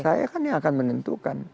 saya kan yang akan menentukan